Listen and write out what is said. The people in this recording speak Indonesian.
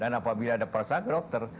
dan apabila ada perasaan ke dokter